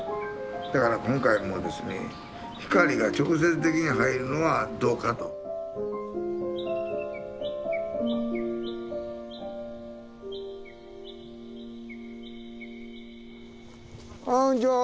だから今回もですね光が直接的に入るのはどうかと。こんにちは。